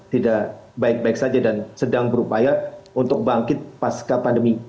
tidak baik baik saja dan sedang berupaya untuk bangkit pasca pandemi